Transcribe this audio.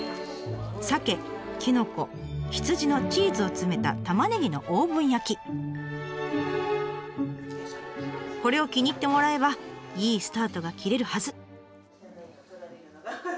さけきのこ羊のチーズを詰めたこれを気に入ってもらえればいいスタートが切れるはず。